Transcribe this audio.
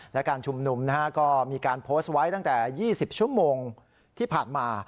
และการชุมนุมก็มีการโพสต์ไว้ตั้งแต่๒๐ชั่วโมงที่ผ่านมา